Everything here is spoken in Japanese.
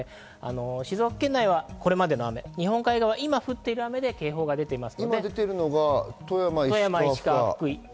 静岡県内はこれまでの雨、日本海側は今、降ってる雨で警報が出ています。